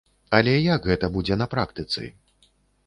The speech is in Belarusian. Але як гэта будзе на практыцы?